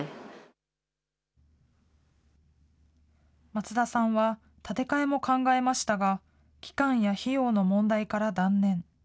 松田さんは、建て替えも考えましたが、期間や費用の問題から断念。